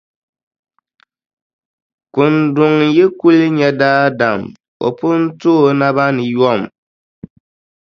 Kunduŋ yi kuli nya daadam, o pun to o naba ni yom.